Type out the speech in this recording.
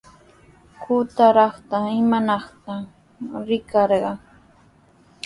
Qutratraw, ¿imatataq rikarqan?